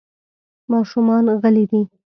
ماشومان غلي دي .